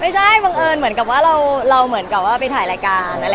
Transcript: ไม่ใช่บังเอิญเหมือนกับว่าเราไปถ่ายรายการ